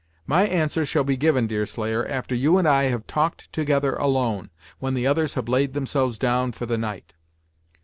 "My answer shall be given, Deerslayer, after you and I have talked together alone, when the others have laid themselves down for the night."